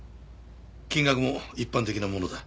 金額も一般的なものだ。